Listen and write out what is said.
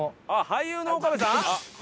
俳優の岡部さん。